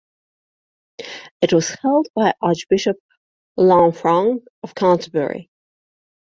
It was held by Archbishop Lanfranc of Canterbury.